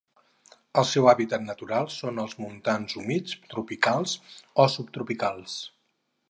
El seu hàbitat natural són els montans humits tropicals o subtropicals.